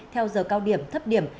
theo giờ cao điểm thấp điểm